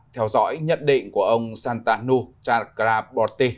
theo dõi nhận định của ông santanu chakraborty